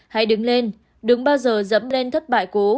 hãy đứng lên đứng bao giờ dẫm lên thất bại cũ